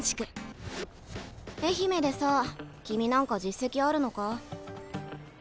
愛媛でさ君何か実績あるのか？